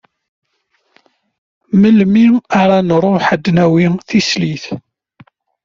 Melmi ara nruḥ ad d-nawi tislit?